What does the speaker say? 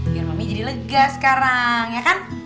biar mamanya jadi lega sekarang ya kan